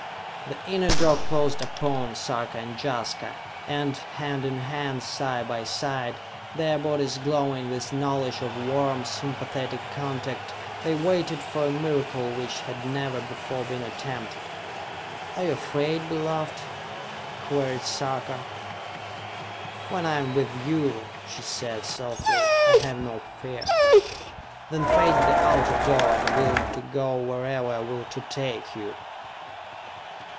The inner door closed upon Sarka and Jaska, and, hand in hand, side by side, their bodies glowing with knowledge of warm, sympathetic contact, they waited for a miracle which had never before been attempted. "Are you afraid, beloved?" queried Sarka. "When I am with you," she said softly, "I have no fear." "Then face the outer door, and will to go wherever I will to take you!"